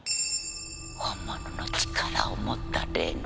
本物の力を持った霊能力者が。